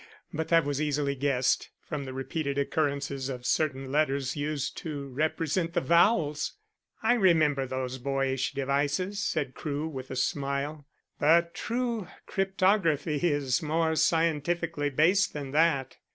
But that was easily guessed, from the repeated occurrence of certain letters used to represent the vowels." "I remember those boyish devices," said Crewe, with a smile. "But true cryptography is more scientifically based than that.